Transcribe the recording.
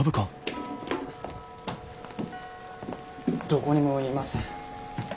どこにもいません。